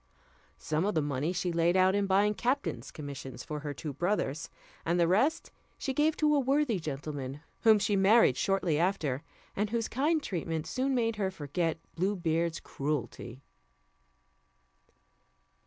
Some of the money she laid out in buying captains' commissions for her two brothers, and the rest she gave to a worthy gentleman whom she married shortly after, and whose kind treatment soon made her forget Blue Beard's cruelty.